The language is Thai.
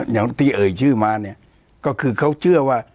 อย่างที่เอ่ยชื่อมาเนี่ยก็คือเขาเชื่อว่า